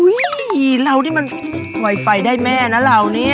อุ้ยเรานี่มันไวไฟได้แม่นะเราเนี้ยอืม